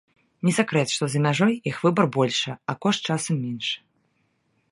Не сакрэт, што за мяжой іх выбар большы, а кошт часам меншы.